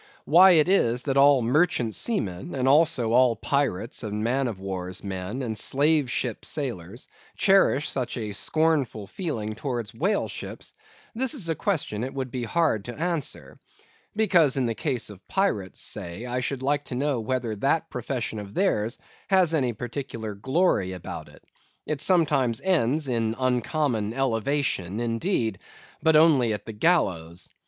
Why it is that all Merchant seamen, and also all Pirates and Man of War's men, and Slave ship sailors, cherish such a scornful feeling towards Whale ships; this is a question it would be hard to answer. Because, in the case of pirates, say, I should like to know whether that profession of theirs has any peculiar glory about it. It sometimes ends in uncommon elevation, indeed; but only at the gallows.